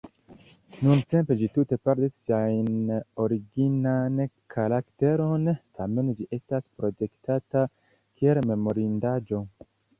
Nuntempe ĝi tute perdis sian originan karakteron, tamen ĝi estas protektata kiel memorindaĵo.